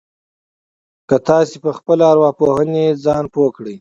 که تاسې په خپلې ارواپوهنې ځان پوه کړئ.